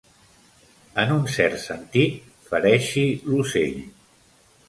En un cert sentit, fereixi l'ocell.